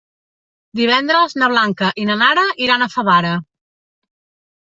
Divendres na Blanca i na Nara iran a Favara.